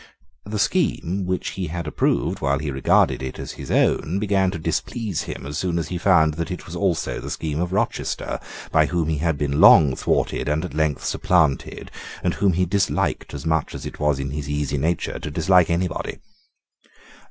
The scheme, which he had approved while he regarded it as his own, began to displease him as soon as he found that it was also the scheme of Rochester, by whom he had been long thwarted and at length supplanted, and whom he disliked as much as it was in his easy nature to dislike anybody.